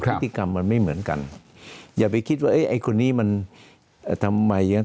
พฤติกรรมมันไม่เหมือนกันอย่าไปคิดว่าไอ้คนนี้มันทำไมอย่างนั้น